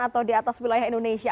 atau di atas wilayah indonesia